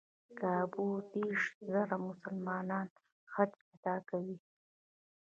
کابو دېرش زره مسلمانان حج ادا کوي.